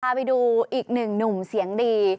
ไปดูอีกหนึ่งหนุ่มเสียงดี